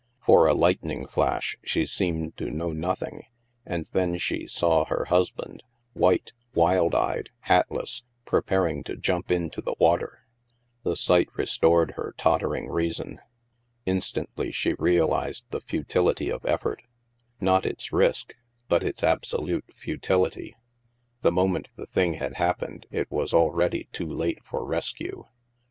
For a lightning flash she seemed to know nothing, and then she saw her husband, white, wild eyed, hatless, preparing to jtimp into the water. The sight restored her tottering reason. Instantly she realized the futility of eflFort — not its risk, but THE MAELSTROM 237 its absolute futility. The moment the thing had happened, it was already too late for rescue.